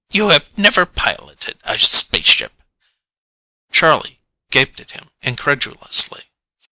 You have never piloted a spaceship." Charlie gaped at him incredulously.